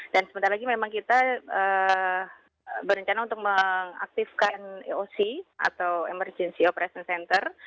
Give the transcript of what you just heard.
dan sebentar lagi memang kita berencana untuk mengaktifkan eoc atau emergency operations center